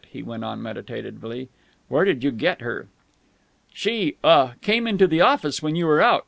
he went on meditatively. "Where did you get her?" "She ah came into the office, when you were out.